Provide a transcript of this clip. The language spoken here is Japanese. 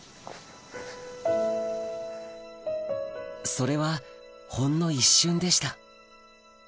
それはほんの一瞬でした